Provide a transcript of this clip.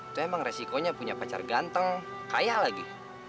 itu emang resikonya punya pacar ganteng kaya lagi